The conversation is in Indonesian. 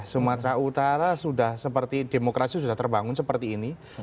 sumatera utara sudah seperti demokrasi sudah terbangun seperti ini